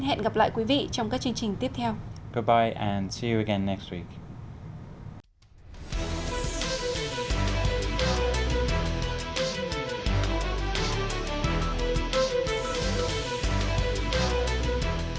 hẹn gặp lại quý vị trong các chương trình tiếp theo